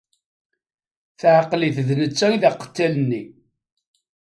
Teɛqel-it d netta i d aqettal-nni.